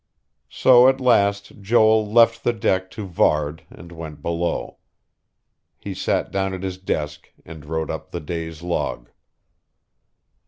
So at last Joel left the deck to Varde, and went below. He sat down at his desk and wrote up the day's log....